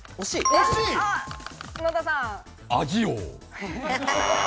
味王。